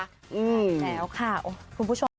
คุณผู้ชม